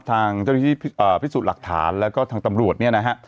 ทางเจ้าหน้าที่พิสูจน์หลักฐานแล้วก็ทางตำรวจเนี่ยนะฮะ